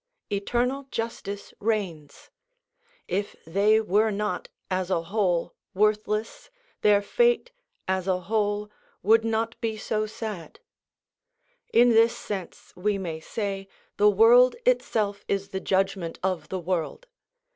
Eternal justice reigns; if they were not, as a whole, worthless, their fate, as a whole, would not be so sad. In this sense we may say, the world itself is the judgment of the world.